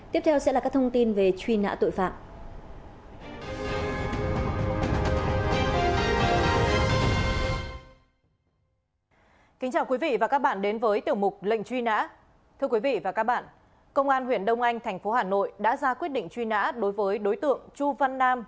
tiếp theo sẽ là các thông tin về truy nã tội phạm